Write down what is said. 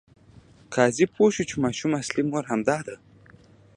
قاضي پوه شو چې د ماشوم اصلي مور همدا ده.